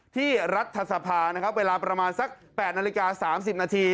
รัฐสภานะครับเวลาประมาณสัก๘นาฬิกา๓๐นาที